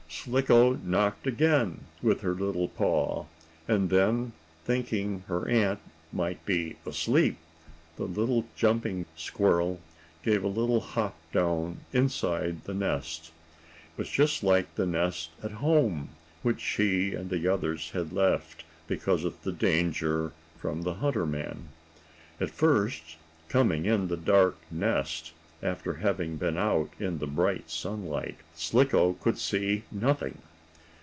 Slicko knocked again with her little paw, and then, thinking her aunt might be asleep, the little jumping squirrel gave a little hop down inside the nest. It was just like the nest at home, which she and the others had left because of the danger from the hunter man. At first, coming in the dark nest, after having been out in the bright sunlight, Slicko could see nothing.